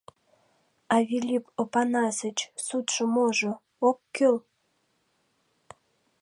— А, Вилип Опанасыч, судшо можо, ок кӱл.